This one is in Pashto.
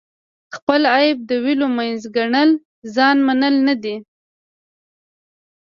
خپل عیب د ولیو منځ ګڼل ځان منل نه دي.